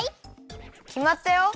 きまったよ。